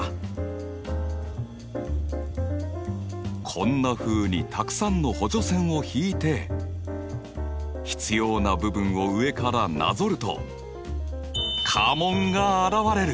こんなふうにたくさんの補助線を引いて必要な部分を上からなぞると家紋が現れる。